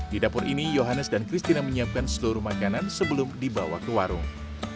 di dapur ini johannes dan christina menyiapkan seluruh makanan sebelum dibawa ke warung